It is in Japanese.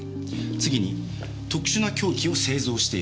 次に特殊な凶器を製造している点。